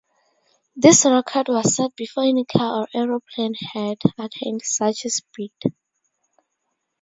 This record was set before any car or aeroplane had attained such a speed.